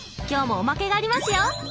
今日もおまけがありますよ！